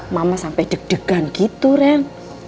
mama sampai deg degan gitu ren